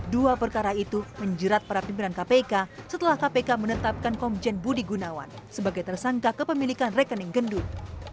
dua perkara itu menjerat para pimpinan kpk setelah kpk menetapkan komjen budi gunawan sebagai tersangka kepemilikan rekening gendut